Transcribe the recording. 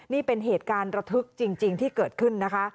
นี่เป็นเหตุการณ์ระทึกจริงที่เกิดขึ้นนะคะ